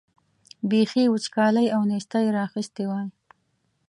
بېخي وچکالۍ او نېستۍ را اخیستي وای.